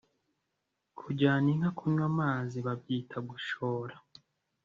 Kujyana inka kunywa amazi babyita gushora